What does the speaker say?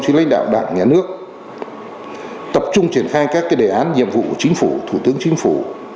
trên lãnh đạo đảng nhà nước tập trung triển khai các đề án nhiệm vụ của chính phủ thủ tướng chính phủ